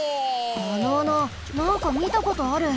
あの穴なんかみたことある。